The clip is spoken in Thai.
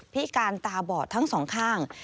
พิการตาบอดทั้งสองข้าง